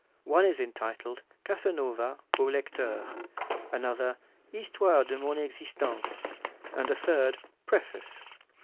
One is entitled 'Casanova au Lecteur', another 'Histoire de mon Existence', and a third Preface.